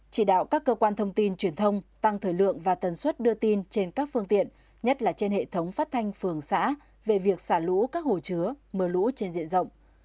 chỉ đạo các cơ quan thông tin truyền thông tăng thời lượng và tần suất đưa tin trên các phương tiện nhất là trên hệ thống phát thanh phường xã về việc xả lũ các hồ chứa mưa lũ trên diện rộng